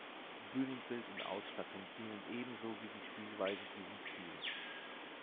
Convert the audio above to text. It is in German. Bühnenbild und Ausstattung dienen ebenso wie die Spielweise diesem Ziel.